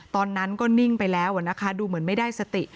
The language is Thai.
ตอนนั้นก็นิ่งไปแล้วนะคะดูเหมือนไม่ได้สติ